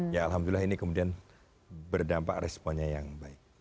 ya alhamdulillah ini kemudian berdampak responnya yang baik